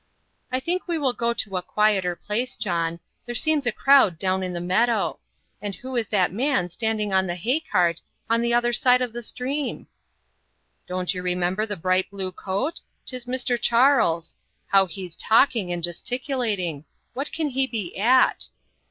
"I think we will go to a quieter place, John. There seems a crowd down in the meadow; and who is that man standing on the hay cart, on the other side the stream?" "Don't you remember the bright blue coat? 'Tis Mr. Charles. How he's talking and gesticulating! What can he be at?"